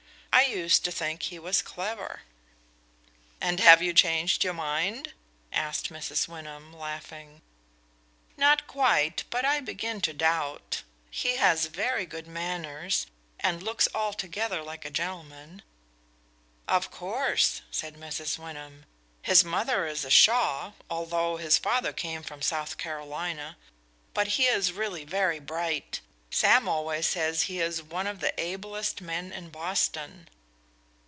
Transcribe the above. "I used to think he was clever." "And have you changed your mind?" asked Mrs. Wyndham, laughing. "Not quite, but I begin to doubt. He has very good manners, and looks altogether like a gentleman." "Of course," said Mrs. "Wyndham." His mother was a Shaw, although his father came from South Carolina. But he is really very bright; Sam always says he is one of the ablest men in Boston."